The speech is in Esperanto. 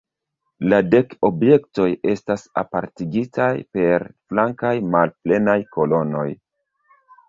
La dek objektoj estas apartigitaj per flankaj malplenaj kolonoj.